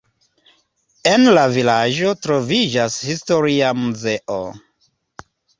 En la vilaĝo troviĝas historia muzeo.